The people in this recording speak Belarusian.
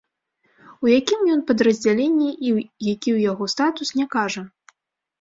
У якім ён падраздзяленні і які ў яго статус, не кажа.